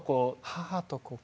母と子か。